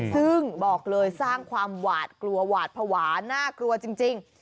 ซึ่งบอกเลยสร้างความหวาดกลัวหวาดภาวะน่ากลัวจริง